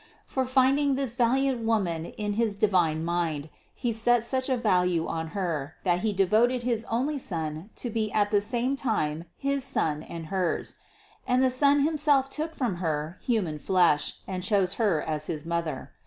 For finding this valiant Woman in his divine mind, He set such a value on Her, that He devoted his only Son to be at the same time his Son and Hers: and the Son himself took from Her human flesh and chose Her as Mother.